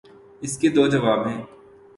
اس کے دو جواب ہیں۔